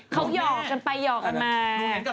เขายอกกันไปมา